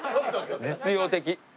実用的。